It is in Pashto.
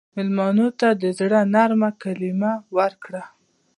مېلمه ته د زړه نرمه کلمه ورکړه.